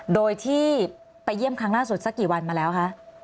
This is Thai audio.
โดยที่ไปเยี่ยมครั้งล่าสุดสักกี่วันมาแล้วคะ